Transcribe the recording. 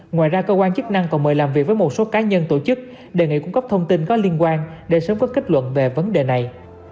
ngoài ra cơ quan chức năng còn mời làm việc với một số cá nhân tổ chức đề nghị cung cấp thông tin có liên quan để sớm có kết luận về vấn đề này